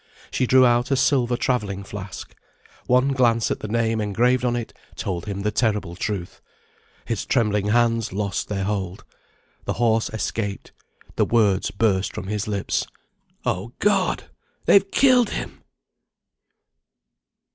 She drew out a silver travelling flask. One glance at the name engraved on it told him the terrible truth. His trembling hands lost their hold. The horse escaped; the words burst from his lips: "Oh, God, they've killed him!"